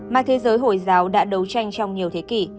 mà thế giới hồi giáo đã đấu tranh trong nhiều thế kỷ